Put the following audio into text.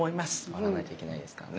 笑わないといけないですからね。